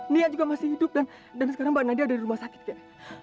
nia juga masih hidup dan sekarang mbak nadia ada di rumah sakit kan